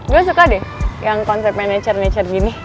gue suka deh yang konsepnya nature nature gini